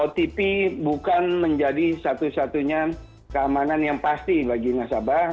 otp bukan menjadi satu satunya keamanan yang pasti bagi nasabah